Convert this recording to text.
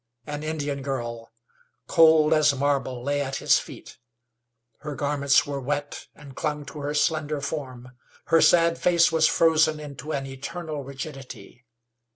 An Indian girl, cold as marble, lay at his feet. Her garments were wet, and clung to her slender form. Her sad face was frozen into an eternal rigidity.